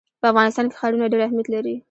په افغانستان کې ښارونه ډېر اهمیت لري.